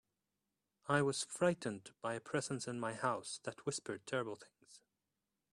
I was frightened by a presence in my house that whispered terrible things.